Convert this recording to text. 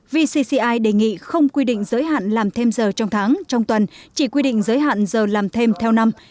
vcci đề nghị không quy định giới hạn làm thêm giờ trong tháng trong tuần chỉ quy định giới hạn giờ làm thêm theo năm